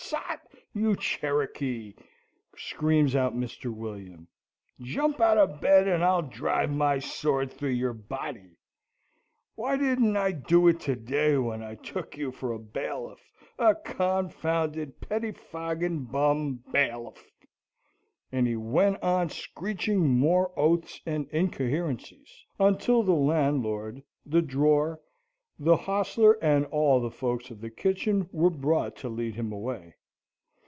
Sot, you Cherokee!" screams out Mr. William. "Jump out of bed, and I'll drive my sword through your body. Why didn't I do it to day when I took you for a bailiff a confounded pettifogging bum bailiff!" And he went on screeching more oaths and incoherencies, until the landlord, the drawer, the hostler, and all the folks of the kitchen were brought to lead him away.